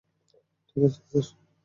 ঠিক আছে, স্যার?